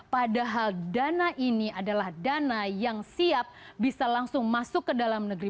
padahal dana ini adalah dana yang siap bisa langsung masuk ke dalam negeri